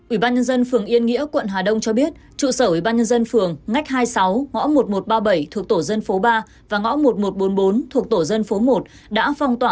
ủy ban nhân dân phường yên nghĩa quận hà đông cho biết trụ sở ủy ban nhân dân phường ngách hai mươi sáu ngõ một nghìn một trăm ba mươi bảy thuộc tổ dân phố ba và ngõ một nghìn một trăm bốn mươi bốn thuộc tổ dân phố một đã phong tỏa